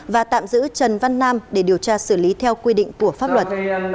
và tạm giữ trần văn nam để điều tra xử lý theo quy định của pháp luật